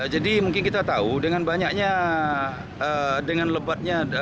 jadi mungkin kita tahu dengan banyaknya dengan lebatnya